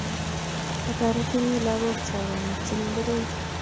Atareti lagok chok amwetchi ngoroik